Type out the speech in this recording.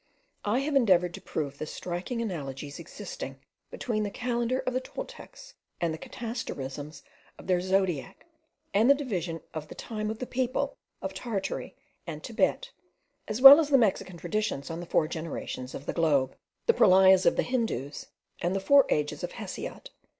I have endeavoured to prove the striking analogies existing between the calendar of the Toltecs and the catasterisms of their zodiac, and the division of time of the people of Tartary and Thibet, as well as the Mexican traditions on the four regenerations of the globe, the pralayas of the Hindoos, and the four ages of Hesiod.